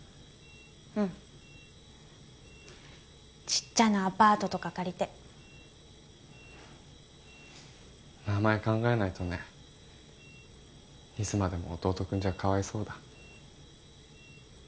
うんちっちゃなアパートとか借りて名前考えないとねいつまでも「弟君」じゃかわいそうだ